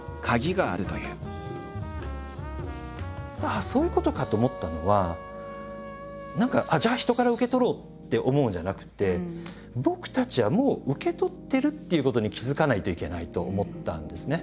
ああそういうことかと思ったのは何かじゃあ人から受け取ろうって思うんじゃなくてっていうことに気付かないといけないと思ったんですね。